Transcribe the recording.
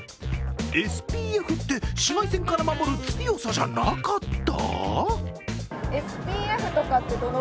ＳＰＦって紫外線から守る強さじゃなかった？